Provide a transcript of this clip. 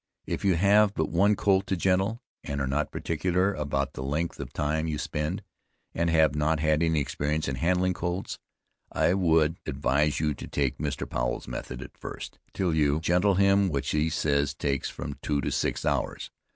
If you have but one colt to gentle, and are not particular about the length of time you spend, and have not had any experience in handling colts, I would advise you to take Mr. Powel's method at first, till you gentle him, which he says takes from two to six hours.